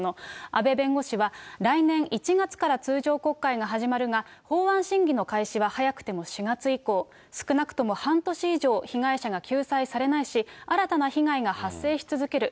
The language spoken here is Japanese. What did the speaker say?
阿部弁護士は来年１月から通常国会が始まるが、法案審議の開始は早くても４月以降、少なくとも半年以上被害者が救済されないし、新たな被害が発生し続ける。